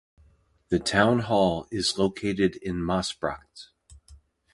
The Town hall is located in Maasbracht.